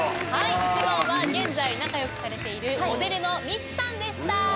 １番は現在仲良くされているモデルのミチさんでした。